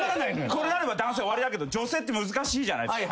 これやれば男性終わりだけど女性って難しいじゃないですか。